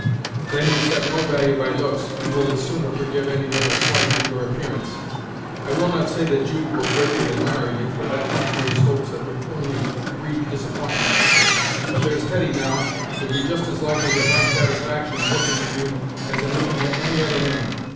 Then you set no value by looks, and will the sooner forgive any little slight to your appearance. I will not say that Jude will greatly admire you, for that might raise hopes that would only breed disapp'intment; but there's Hetty, now, would be just as likely to find satisfaction in looking at you, as in looking at any other man.